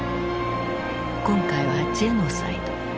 今回はジェノサイド。